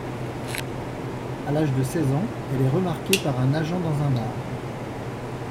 À l'âge de seize ans, elle est remarquée par un agent dans un bar.